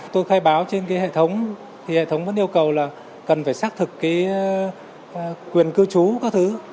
tôi khai báo trên cái hệ thống thì hệ thống vẫn yêu cầu là cần phải xác thực quyền cư trú các thứ